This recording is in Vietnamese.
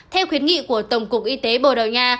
theo khuyến nghị của tổng cục y tế bồ đào nha